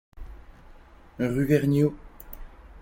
Rue Vergniaud.